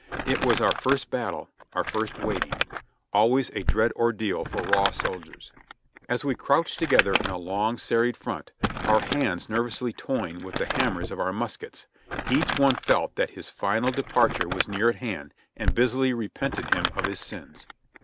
It was our first battle, our first waiting; always a dread ordeal for raw soldiers. As we crouched together in a long, serried front, our hands nervously toying with the hammers of our muskets, each one felt that his final departure was near at hand and busily repented him of his sins.